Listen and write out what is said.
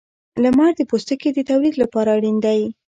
• لمر د پوستکي د تولید لپاره اړین دی.